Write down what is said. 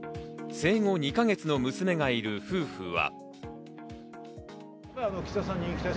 生後２か月の娘がいる夫婦は。